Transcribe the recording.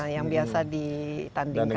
yang biasa ditandingkan ya